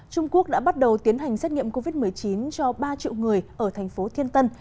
trung quốc đã bắt đầu tiến hành xét nghiệm covid một mươi chín cho ba triệu người ở thành phố thiên tân